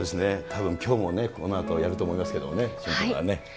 たぶんきょうもね、このあとやると思いますけどね、駿君はね。